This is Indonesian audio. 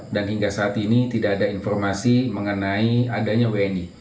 dan hingga saat ini tidak ada informasi mengenai adanya wni